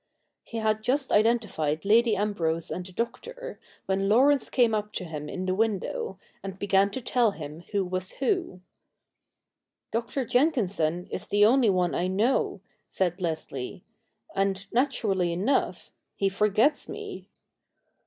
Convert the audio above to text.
He had just identified Lady Ambrose and the i6 THE NEW REPUBLIC [bk. i Doctor, when Laurence came up to him in the window, and began to tell him who was who. ' Dr. Jenkinson is the only one I know,' said Leslie, ' and, naturally enough, he forgets me.'